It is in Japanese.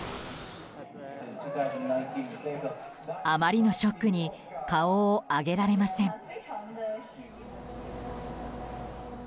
あまりのショックに顔を上げられません。